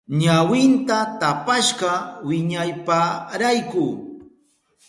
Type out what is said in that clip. Ñawinta tapashka wiñaypayrayku.